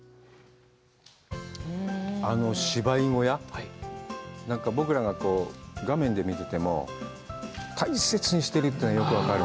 あの芝居小屋、なんか僕らが画面で見てても大切にしてるというのは、よく分かる。